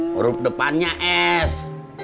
huruf depannya s